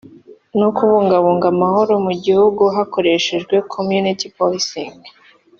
no kubungabunga amahoro mu gihugu bakoresheje Community Policing